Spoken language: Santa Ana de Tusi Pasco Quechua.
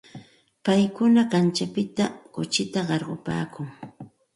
Paykuna kaćhapita kuchita qarqupaakun.